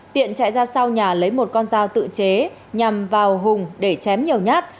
tiện chạy ra sau nhà lấy một con dao tự chế nhằm vào hùng để chém nhiều nhát